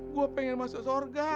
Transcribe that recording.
gue pengen masuk surga